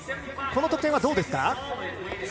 この得点はどうですか？